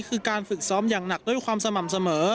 คือการฝึกซ้อมอย่างหนักด้วยความสม่ำเสมอ